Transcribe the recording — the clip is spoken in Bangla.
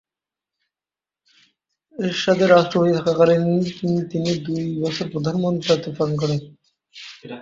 এরশাদের রাষ্ট্রপতি থাকা কালীন তিনি দুই বছর প্রধানমন্ত্রীর দায়িত্ব পালন করেন।